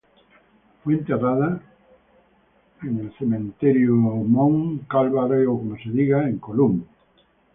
Fue enterrada en el 'Mount Calvary Cemetery', en Columbus.